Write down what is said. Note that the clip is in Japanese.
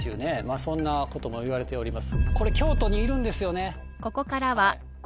そんなことも言われております。